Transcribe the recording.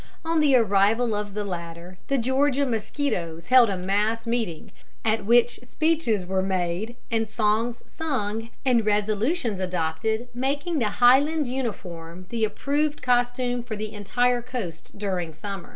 On the arrival of the latter, the Georgia mosquitoes held a mass meeting, at which speeches were made, and songs sung, and resolutions adopted making the Highland uniform the approved costume for the entire coast during summer.